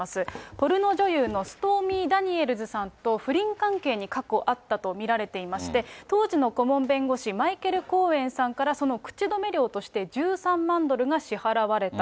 ポルノ女優のストーミー・ダニエルズさんと不倫関係に過去あったと見られていまして、当時の顧問弁護士、マイケル・コーエンさんからその口止め料として１３万ドルが支払われた。